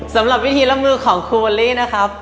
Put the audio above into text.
สำหรับวิธีรับมือของครูเวอรี่นะครับ